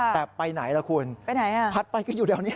แต่ไปไหนล่ะคุณพัดไปก็อยู่แถวนี้